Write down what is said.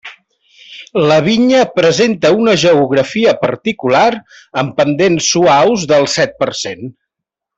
La vinya presenta una geografia particular amb pendents suaus del set per cent.